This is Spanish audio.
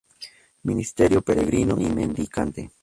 Ministerio peregrino y mendicante.